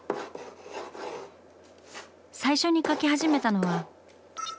最初に描き始めたのは。